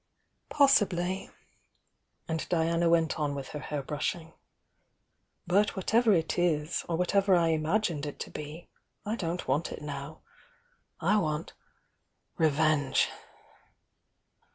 Possibly! and Diana went on with her hair brushing. "But whatever it is, or whatever I imae med It to be, I don't want it now. I want— re venge!